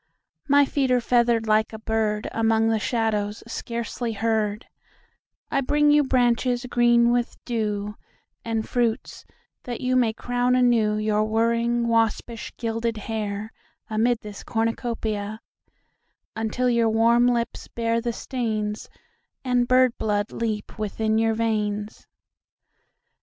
My feet are feathered like a birdAmong the shadows scarcely heard;I bring you branches green with dewAnd fruits that you may crown anewYour whirring waspish gilded hairAmid this cornucopia—Until your warm lips bear the stainsAnd bird blood leap within your veins.